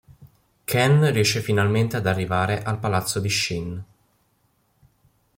Ken riesce finalmente ad arrivare al palazzo di Shin.